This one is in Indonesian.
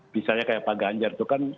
misalnya kayak pak ganjar itu kan